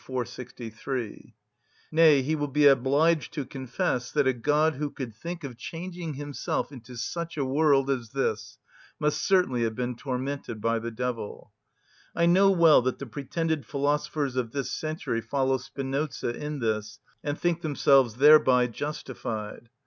463; nay, he will be obliged to confess that a God who could think of changing Himself into such a world as this must certainly have been tormented by the devil. I know well that the pretended philosophers of this century follow Spinoza in this, and think themselves thereby justified.